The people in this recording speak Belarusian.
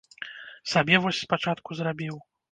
Сабе вось спачатку зрабіў.